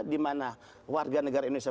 di mana warga negara indonesia